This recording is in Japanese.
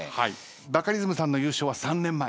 バカリズムさんの優勝は３年前。